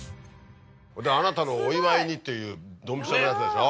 あなたのお祝いにっていうドンピシャのやつでしょ。